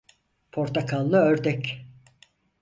Portakallı ördek.